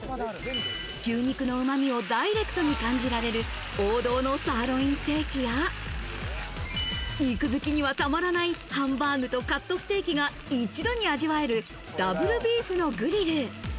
牛肉のうまみをダイレクトに感じられる、王道のサーロインステーキや、肉好きにはたまらない、ハンバーグとカットステーキが一度に味わえる、Ｗビーフのグリル。